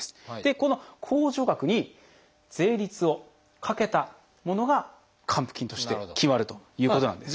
この控除額に税率をかけたものが還付金として決まるということなんです。